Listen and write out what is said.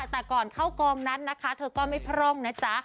แต่ก่อนเข้ากองนั้นนะคะเธอก็ไม่พร่องนะจ๊ะ